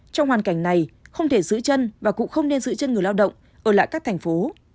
trong hoàn cảnh này không thể giữ chân và cũng không nên giữ chân người lao động ở lại các thành phố